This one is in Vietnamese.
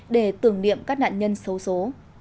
để tưởng niệm các nạn nhân xấu xố